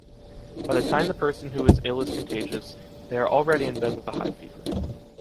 By the time the person who is ill is contagious, they are already in bed with a high fever.